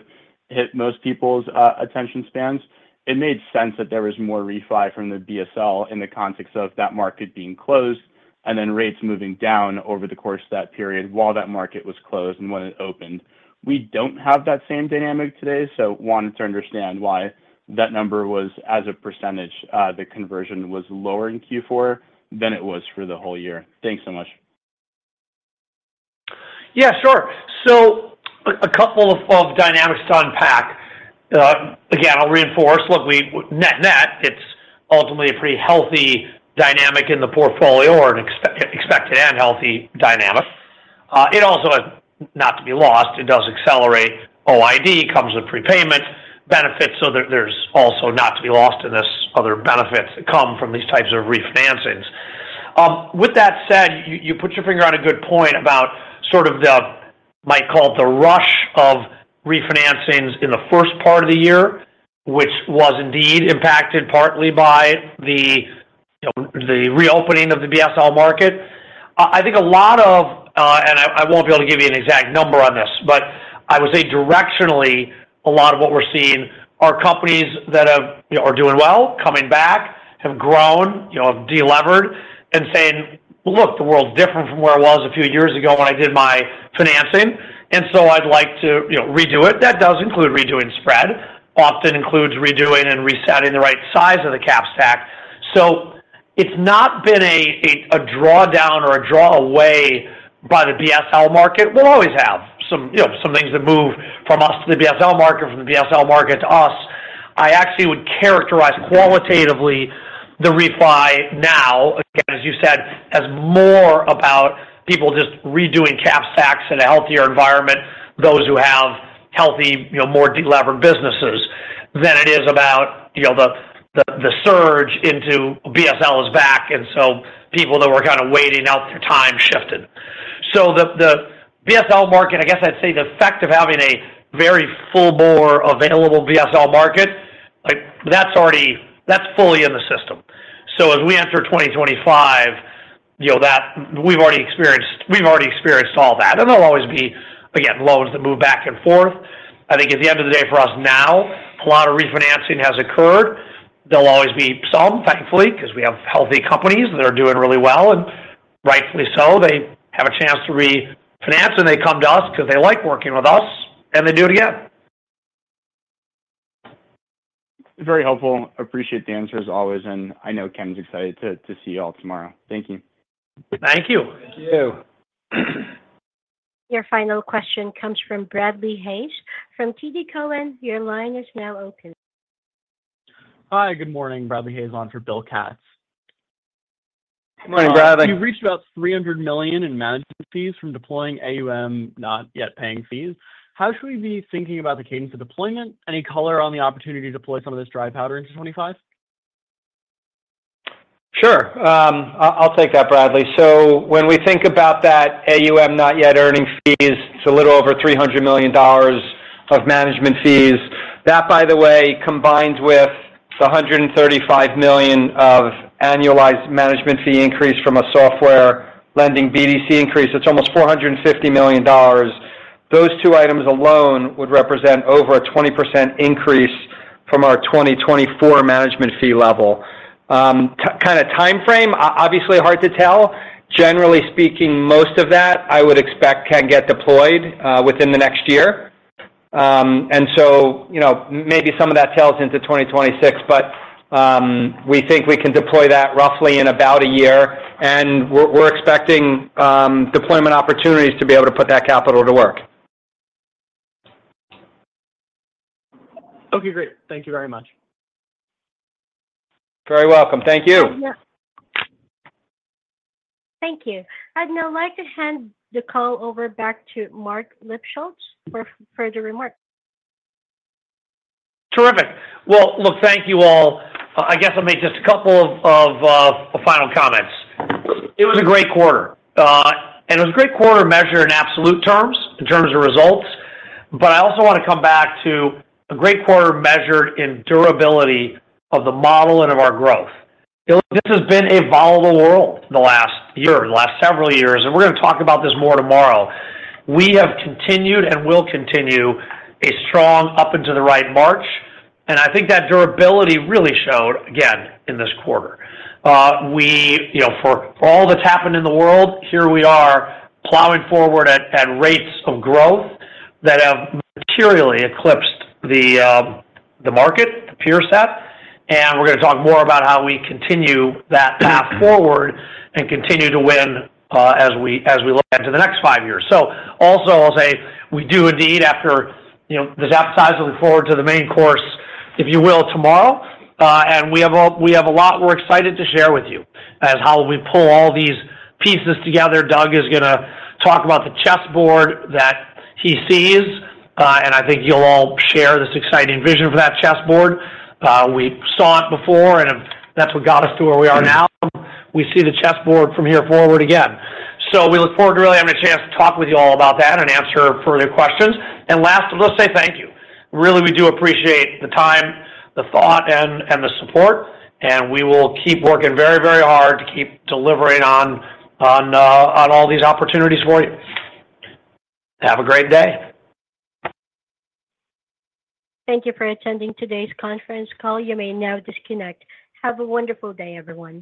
hit most people's attention spans, it made sense that there was more refi from the BSL in the context of that market being closed and then rates moving down over the course of that period while that market was closed and when it opened. We don't have that same dynamic today. So, wanted to understand why that number was, as a percentage, the conversion was lower in Q4 than it was for the whole year. Thanks so much. Yeah, sure. So a couple of dynamics to unpack. Again, I'll reinforce, look, net net, it's ultimately a pretty healthy dynamic in the portfolio or an expected and healthy dynamic. It also has not to be lost. It does accelerate OID, comes with prepayment benefits. So there's also not to be lost in this other benefits that come from these types of refinancings. With that said, you put your finger on a good point about sort of the, might call it the rush of refinancings in the first part of the year, which was indeed impacted partly by the reopening of the BSL market. I think a lot of, and I won't be able to give you an exact number on this, but I would say directionally, a lot of what we're seeing are companies that are doing well, coming back, have grown, have delivered, and saying, "Look, the world's different from where it was a few years ago when I did my financing. And so I'd like to redo it." That does include redoing spread. Often includes redoing and resetting the right size of the cap stack. So it's not been a drawdown or a draw away by the BSL market. We'll always have some things that move from us to the BSL market, from the BSL market to us. I actually would characterize qualitatively the refi now, again, as you said, as more about people just redoing cap stacks in a healthier environment, those who have healthy, more deliberate businesses than it is about the surge into BSL is back, and so people that were kind of waiting out their time shifted, so the BSL market, I guess I'd say, the effect of having a very full bore available BSL market, that's fully in the system, so as we enter 2025, we've already experienced all that, and there'll always be, again, loans that move back and forth. I think at the end of the day for us now, a lot of refinancing has occurred. There'll always be some, thankfully, because we have healthy companies that are doing really well. Rightfully so, they have a chance to refinance and they come to us because they like working with us and they do it again. Very helpful. Appreciate the answers always. And I know Ken's excited to see you all tomorrow. Thank you. Thank you. Thank you. Your final question comes from Bradley Hayes. From TD Cowen, your line is now open. Hi, good morning. Bradley Hayes on for Bill Katz. Good morning, Bradley. You reached about $300 million in management fees from deploying AUM, not yet paying fees. How should we be thinking about the cadence of deployment? Any color on the opportunity to deploy some of this dry powder into 2025? Sure. I'll take that, Bradley. So when we think about that AUM not yet earning fees, it's a little over $300 million of management fees. That, by the way, combines with the $135 million of annualized management fee increase from a software lending BDC increase. It's almost $450 million. Those two items alone would represent over a 20% increase from our 2024 management fee level. Kind of timeframe, obviously hard to tell. Generally speaking, most of that I would expect can get deployed within the next year. And so maybe some of that tails into 2026, but we think we can deploy that roughly in about a year. And we're expecting deployment opportunities to be able to put that capital to work. Okay, great. Thank you very much. Very welcome. Thank you. Thank you. I'd now like to hand the call over back to Marc Lipschultz for further remarks. Terrific. Well, look, thank you all. I guess I'll make just a couple of final comments. It was a great quarter. And it was a great quarter measured in absolute terms in terms of results. But I also want to come back to a great quarter measured in durability of the model and of our growth. This has been a volatile world the last year, the last several years. And we're going to talk about this more tomorrow. We have continued and will continue a strong up and to the right march. And I think that durability really showed again in this quarter. For all that's happened in the world, here we are plowing forward at rates of growth that have materially eclipsed the market, the peer set. We're going to talk more about how we continue that path forward and continue to win as we look into the next five years. So also, I'll say we do indeed, after this appetizer, look forward to the main course, if you will, tomorrow. We have a lot we're excited to share with you about how we pull all these pieces together. Doug is going to talk about the chessboard that he sees. I think you'll all share this exciting vision for that chessboard. We saw it before, and that's what got us to where we are now. We see the chessboard from here forward again. We look forward to really having a chance to talk with you all about that and answer further questions. Last, let's say thank you. Really, we do appreciate the time, the thought, and the support. We will keep working very, very hard to keep delivering on all these opportunities for you. Have a great day. Thank you for attending today's conference call. You may now disconnect. Have a wonderful day, everyone.